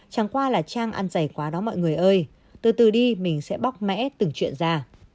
chẳng qua là trang ăn giày quá đó mọi người ơi tôi từ từ đi mình sẽ bóc mẽ từng chuyện ra